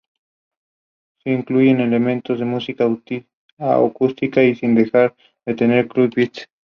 Agatocles y sus fuerzas sitiaron Cartago, pero fueron repelidos por sus inexpugnables murallas.